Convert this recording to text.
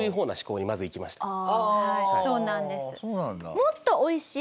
そうなんです。